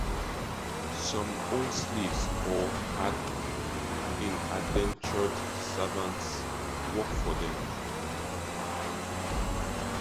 Some owned slaves or had indentured servants work for them.